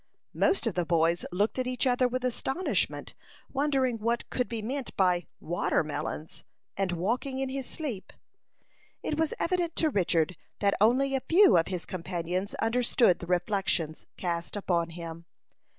Most of the boys looked at each other with astonishment, wondering what could be meant by "watermelons," and walking in his sleep. It was evident to Richard that only a few of his companions understood the reflections cast upon him.